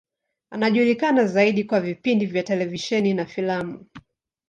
Anajulikana zaidi kwa vipindi vya televisheni na filamu.